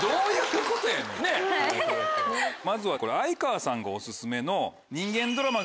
まずはこれ相川さんがオススメの。